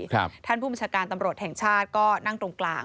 คุณผู้บริษัทการตำรวจแห่งชาติก็นั่งตรงกลาง